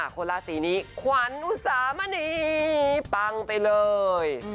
คนราศีนี้ขวัญอุสามณีปังไปเลย